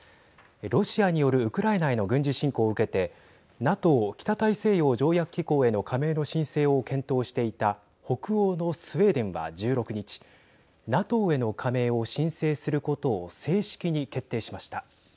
ロシアによるウクライナへの軍事侵攻を受けてＮＡＴＯ、北大西洋条約機構への加盟の申請を検討していた北欧のスウェーデンは１６日ＮＡＴＯへの加盟を申請することを正式に決定しました。